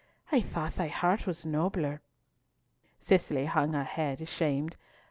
I thought thy heart was nobler." Cicely hung her head ashamed.